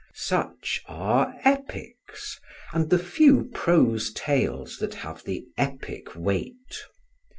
Such are epics, and the few prose tales that have the epic weight.